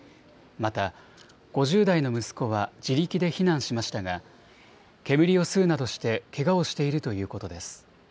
また５０代の息子は自力で避難しましたが、煙を吸うなどしてけがをしているということです。